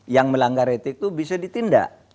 yang melanggar etik itu bisa ditindak